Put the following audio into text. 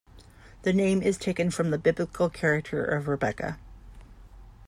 The name is taken from the Biblical character of Rebekah.